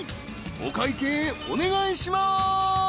［お会計お願いします］